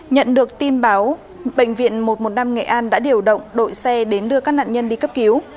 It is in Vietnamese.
nhận được tin báo bệnh viện một trăm một mươi năm nghệ an đã điều động đội xe đến đưa các nạn nhân đi cấp cứu